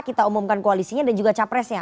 kita umumkan koalisinya dan juga capresnya